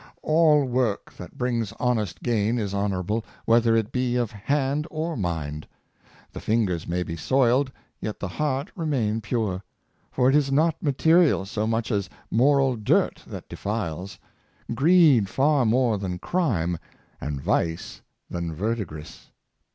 All work that brings honest gain is honorable, whether it be of hand or mind. The fingers may be soiled, yet the heart re main pure; for it is not material so much as moral dirt that defiles — greed far more than crime, and vice than verdigris.